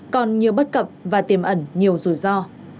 còn nhiều bất cập và tiềm ẩn nhiều rủi ro